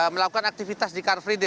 melakukan aktivitas di car free day